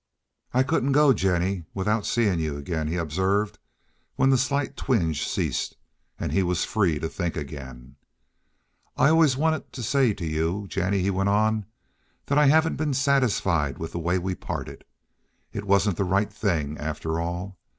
"I couldn't go, Jennie, without seeing you again," he observed, when the slight twinge ceased and he was free to think again. "I've always wanted to say to you, Jennie," he went on, "that I haven't been satisfied with the way we parted. It wasn't the right thing, after all.